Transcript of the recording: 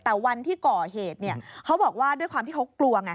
แต่วันที่ก่อเหตุเขาบอกว่าด้วยความที่เขากลัวไง